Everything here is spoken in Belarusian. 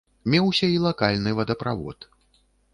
Меўся і лакальны водаправод.